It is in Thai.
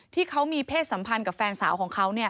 ที่เขามีเพศสัมพันธ์กับแฟนสาวของเขา